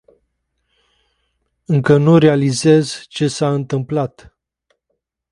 Încă nu realizez ce s-a întâmplat.